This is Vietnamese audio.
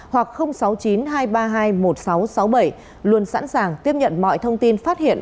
hoặc sáu mươi chín hai trăm ba mươi hai một nghìn sáu trăm sáu mươi bảy luôn sẵn sàng tiếp nhận mọi thông tin phát hiện